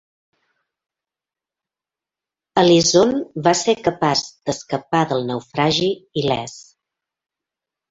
Ellyson va ser capaç d'escapar del naufragi il·lès.